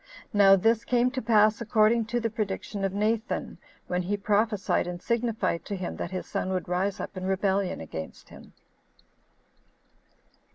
Now this came to pass according to the prediction of Nathan, when he prophesied and signified to him that his son would rise up in rebellion against him.